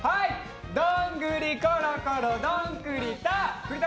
どんぐりころころどん栗田！